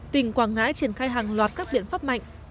tỉnh quảng ngãi triển khai hàng loạt các biện pháp mạnh